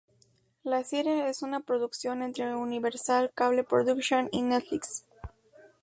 La serie es una coproducción entre Universal Cable Productions y Netflix.